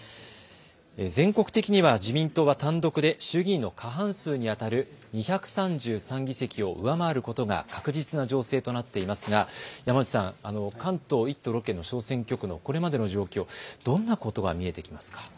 全国的には自民党は単独で衆議院の過半数にあたる２３３議席を上回ることが確実な情勢となっていますが、関東１都６県の小選挙区のこれまでの状況、どんなことが見えてきますか。